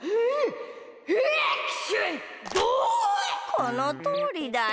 このとおりだよ。